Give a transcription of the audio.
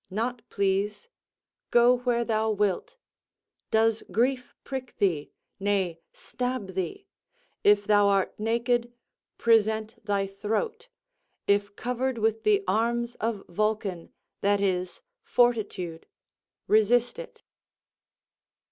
Not please? Go where thou wilt. Does grief prick thee, nay, stab thee? If thou art naked, present thy throat; if covered with the arms of Vulcan, that is, fortitude, resist it."